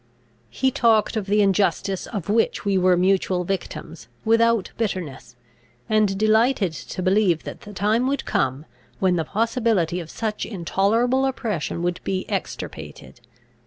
He talked of the injustice of which we were mutual victims, without bitterness; and delighted to believe that the time would come, when the possibility of such intolerable oppression would be extirpated.